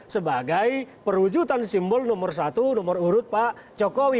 sebagai perwujudan simbol nomor satu nomor urut pak jokowi